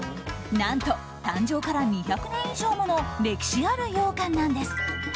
何と誕生から２００年以上もの歴史があるようかんなんです。